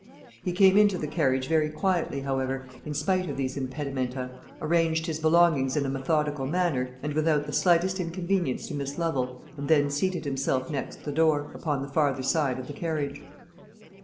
He came into the carriage very quietly, however, in spite of these impedimenta, arranged his belongings in a methodical manner, and without the slightest inconvenience to Miss Lovel, and then seated himself next the door, upon the farther side of the carriage.